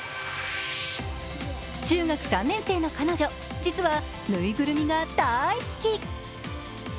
中学３年生の彼女、実は縫いぐるみが大好き。